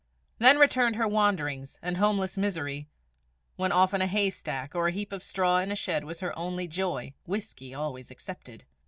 Then returned her wanderings and homeless miseries, when often a haystack or a heap of straw in a shed was her only joy whisky always excepted.